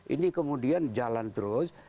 ini kemudian jalan terus